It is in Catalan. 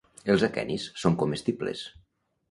Els aquenis són comestibles.